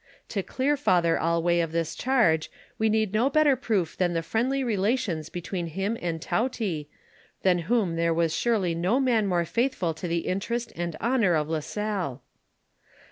To clear Father Allouez of this charge, we need no better proof than the friendly relations between him and Tonty, than whom there was surely no man more faithful to the interest and honor of La Salle.